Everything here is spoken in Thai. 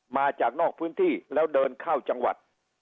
มาจากนอกพื้นที่แล้วเดินเข้าจังหวัด